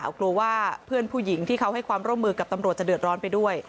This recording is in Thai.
กลัวว่าเพื่อนผู้หญิงที่เขาให้ความร่วมมือกับตำรวจจะเดือดร้อนไปด้วย